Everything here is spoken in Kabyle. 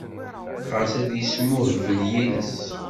Xas ad yesmuhbel yiles.